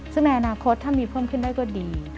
ซึ่งในอนาคตถ้ามีเพิ่มขึ้นได้ก็ดี